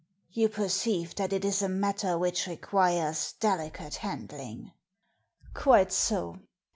" You perceive that it is a matter which requires delicate handling." " Quite so.